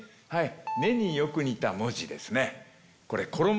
「ネ」によく似た文字ですね。